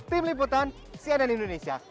tim liputan cnn indonesia